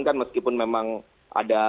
kan meskipun memang ada